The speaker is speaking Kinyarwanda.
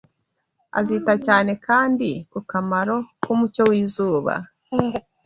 Azita cyane kandi ku kamaro k’umucyo w’izuba